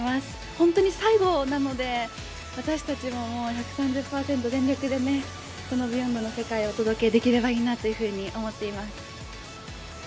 本当に最後なので、私たちも１３０％全力で「ＢＥＹＯＮＤ」の世界をお届けできればいいなと思っています。